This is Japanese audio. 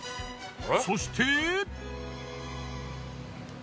そして。